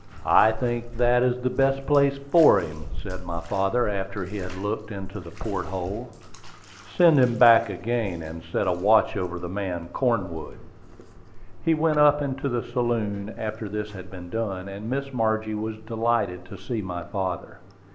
"I think that is the best place for him," said my father, after he had looked into the port hold. "Send him back again, and set a watch over the man Cornwood." We went up into the saloon after this had been done, and Miss Margie was delighted to see my father.